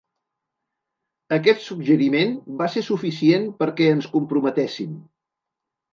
Aquest suggeriment va ser suficient perquè ens comprometéssim.